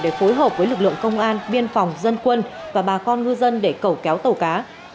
để phối hợp với lực lượng công an biên phòng dân quân và bà con ngư dân để cầu kéo tàu cá